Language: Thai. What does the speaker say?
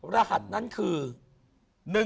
รหัสนั้นคือ